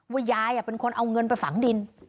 ยายเป็นคนเอาเงินไปฝังดิน